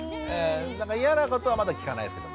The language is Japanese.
なんか嫌なことはまだ聞かないです。